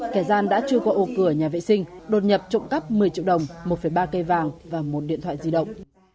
kẻ gian đã chưa qua ô cửa nhà vệ sinh đột nhập trộm cắp một mươi triệu đồng một ba cây vàng và một điện thoại di động